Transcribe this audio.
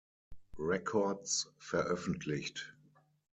Records veröffentlicht.